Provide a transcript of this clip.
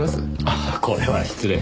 ああこれは失礼。